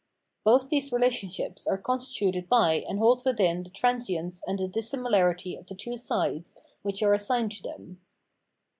Both these relationships are constituted by and hold within the transience and the dissimilarity of the two sides, which are assigned to them.